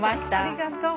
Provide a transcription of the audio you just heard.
ありがとう。